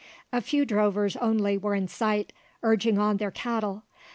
A few drovers only were in sight, urging on their cattle.